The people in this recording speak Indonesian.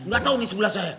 gak tau nih sebelah saya